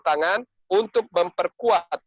tangan untuk memperkuat